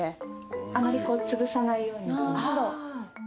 あまりつぶさないように。